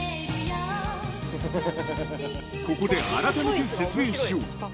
［ここであらためて説明しよう］